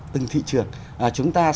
từng thị trường